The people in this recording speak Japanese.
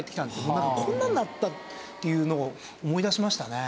なんかこんなんなったっていうのを思い出しましたね。